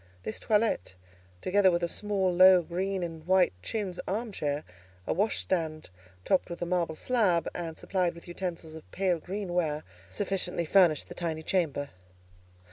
This toilette, together with a small, low, green and white chintz arm chair, a washstand topped with a marble slab, and supplied with utensils of pale greenware, sufficiently furnished the tiny chamber.